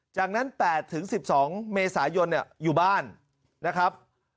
จากนั้น๘๑๒เมษายนอยู่บ้านนะครับ